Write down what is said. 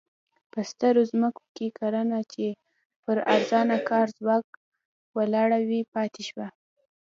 په سترو ځمکو کې کرنه چې پر ارزانه کاري ځواک ولاړه وه پاتې شوه.